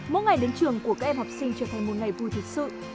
mỗi ngày đến trường của các em học sinh trở thành một ngày vui thật sự